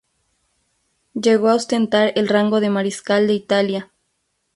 Llegó a ostentar el rango de mariscal de Italia.